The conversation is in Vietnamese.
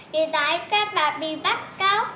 vì tại các bạn bị bắt cóc